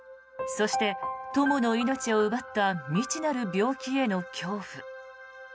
そして友の命を奪った未知なる病気への恐怖。